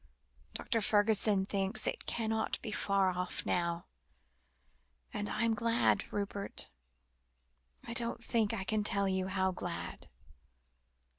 Dr. Fergusson thinks it can't be far off now, and I am glad, Rupert. I don't think I can tell you how glad."